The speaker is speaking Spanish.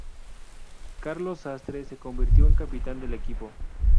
Carlos Sastre se convirtió en capitán del equipo.